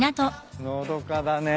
のどかだね。